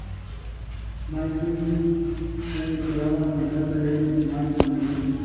Normalmente la ganadora del Miss Macao compite en Miss Mundo.